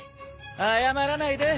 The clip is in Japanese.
謝らないで。